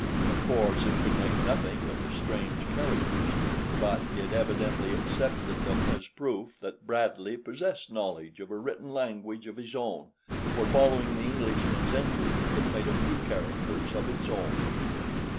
Of course it could make nothing of the strange characters; but it evidently accepted them as proof that Bradley possessed knowledge of a written language of his own, for following the Englishman's entry it made a few characters of its own.